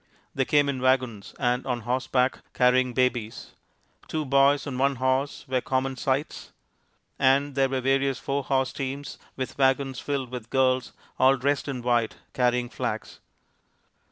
They came in wagons and on horseback, carrying babies; two boys on one horse were common sights; and there were various four horse teams with wagons filled with girls all dressed in white, carrying flags.